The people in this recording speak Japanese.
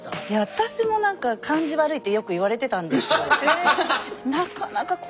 私もなんか感じ悪いってよく言われてたんですよ。